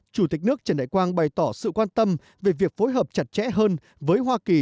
chủ tịch nước trần đại quang bày tỏ sự quan tâm về việc phối hợp chặt chẽ hơn với hoa kỳ